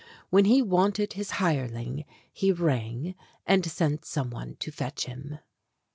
When he wanted his hireling he rang and sent somebody to fetch him.